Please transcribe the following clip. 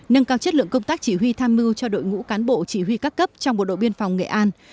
nâng cao chất lượng công tác chỉ huy tham mưu cho đội ngũ cán bộ chỉ huy các cấp trong bộ đội biên phòng nghệ an